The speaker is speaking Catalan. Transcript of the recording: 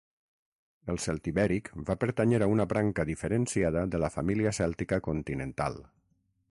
El celtibèric va pertànyer a una branca diferenciada de la família cèltica continental.